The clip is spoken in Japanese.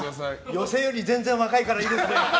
寄席より全然若いからいいですね。